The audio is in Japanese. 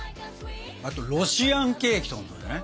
あとロシアンケーキとかもだね。